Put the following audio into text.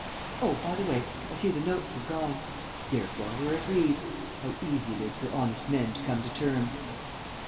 Oh, by the way, I see the notes are gone. Therefore we're agreed. How easy it is for honest men to come to terms!"